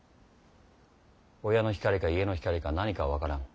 親の光か家の光か何かは分からぬ。